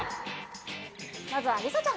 まずは梨紗ちゃん。